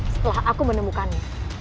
setelah aku menemukannya